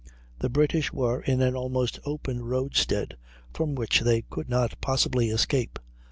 The British were in an almost open roadstead, from which they could not possibly escape.